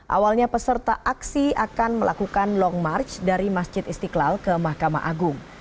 awalnya peserta aksi akan melakukan long march dari masjid istiqlal ke mahkamah agung